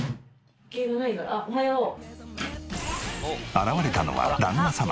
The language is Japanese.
現れたのは旦那様。